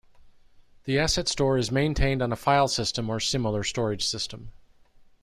The asset store is maintained on a file system or similar storage system.